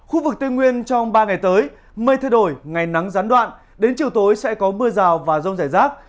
khu vực tây nguyên trong ba ngày tới mây thay đổi ngày nắng gián đoạn đến chiều tối sẽ có mưa rào và rông rải rác